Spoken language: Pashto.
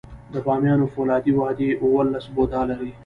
د بامیانو فولادي وادي اوولس بودا لري